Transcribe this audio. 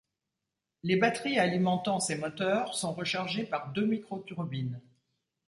Les batteries alimentant ces moteurs sont rechargées par deux micro-turbines.